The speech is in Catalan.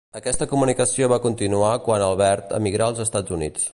Aquesta comunicació va continuar quan Albert emigrà als Estats Units.